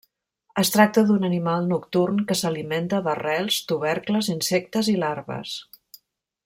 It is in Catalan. Es tracta d'un animal nocturn que s'alimenta d'arrels, tubercles, insectes i larves.